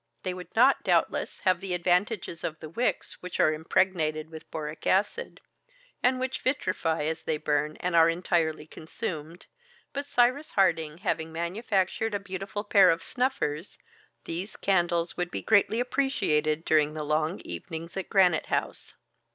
They would not doubtless have the advantages of the wicks which are impregnated with boracic acid, and which vitrify as they burn and are entirely consumed, but Cyrus Harding having manufactured a beautiful pair of snuffers, these candles would be greatly appreciated during the long evenings in Granite House.